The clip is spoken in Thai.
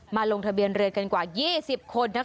มาลงทะเบียนเรียนกันกว่า๒๐คนนะคะ